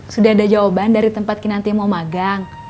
sudah ada jawaban dari tempat kinanti mau magang